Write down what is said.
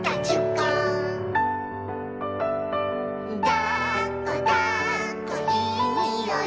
「だっこだっこいいにおい」